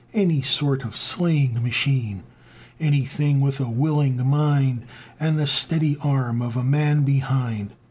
Any sort of slaying machine! Anything with a willing mind, And the steady arm of a man behind.